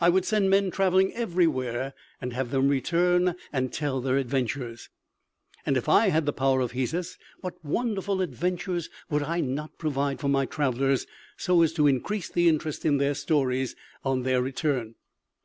"I would send men traveling everywhere, and have them return and tell their adventures." "And if I had the power of Hesus, what wonderful adventures would I not provide for my travelers so as to increase the interest in their stories on their return."